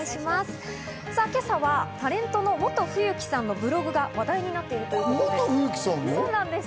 今朝はタレントのモト冬樹さんのブログが話題になっているというんです。